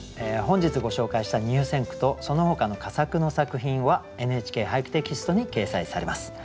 本日ご紹介した入選句とそのほかの佳作の作品は「ＮＨＫ俳句」テキストに掲載されます。